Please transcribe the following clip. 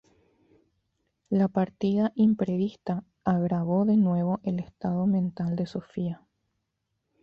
La partida imprevista agravó de nuevo el estado mental de Sofía.